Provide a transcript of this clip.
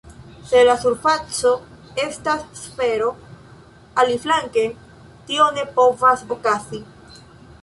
Se la surfaco estas sfero, aliflanke, tio ne povas okazi.